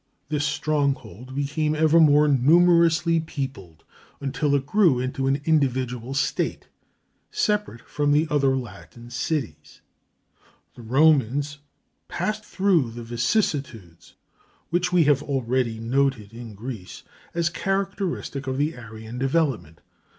This stronghold became ever more numerously peopled, until it grew into an individual state separate from the other Latin cities. [Footnote 17: See The Foundation of Rome, page 116.] The Romans passed through the vicissitudes which we have already noted in Greece as characteristic of the Aryan development.